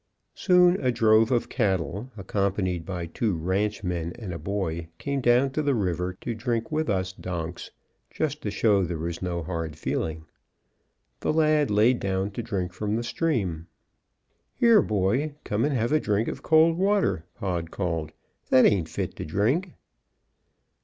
Soon a drove of cattle, accompanied by two ranchmen and a boy, came down to the river to drink with us donks, just to show there was no hard feeling. The lad laid down to drink from the stream. "Here, boy, come and have a drink of cold water!" Pod called. "That ain't fit to drink."